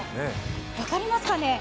分かりますかね？